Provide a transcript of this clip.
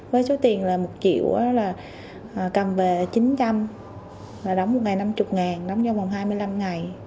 với số tiền là một triệu là cầm về chín trăm linh đóng một ngày năm mươi ngàn đóng trong vòng hai mươi năm ngày